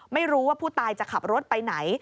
ไม่รู้ว่าผู้ตายจะขับรถไปไหน